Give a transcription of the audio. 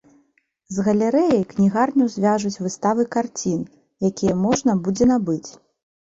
З галерэяй кнігарню звяжуць выставы карцін, якія можна будзе набыць.